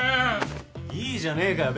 いいじゃねえかよ